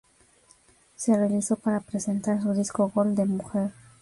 Se realizó para presentar su disco Gol de mujer.